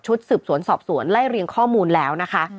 สืบสวนสอบสวนไล่เรียงข้อมูลแล้วนะคะ